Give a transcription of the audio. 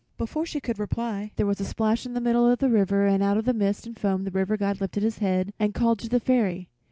Before she could reply there was splash in the middle of the river and out of the mist and foam the River God lifted his head and called to the Fairy.